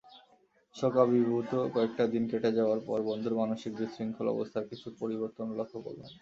শোকাভিভূত কয়েকটা দিন কেটে যাবার পর বন্ধুর মানসিক বিশৃঙ্খল অবস্থার কিছু পরিবর্তন লক্ষ করলাম।